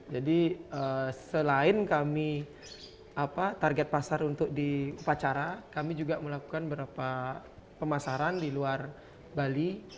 jadi selain kami target pasar untuk di upacara kami juga melakukan beberapa pemasaran di luar bali